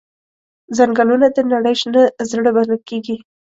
ځنګلونه د نړۍ شنه زړه بلل کېږي.